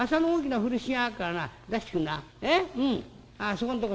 そこんとこ